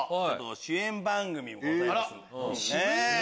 主演番組ございますんで。